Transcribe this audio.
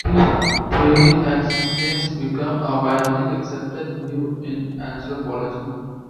This theory has since become a widely accepted view in anthropology.